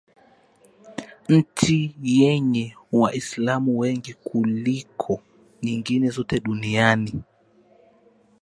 nchi yenye Waislamu wengi kuliko nyingine zote duniani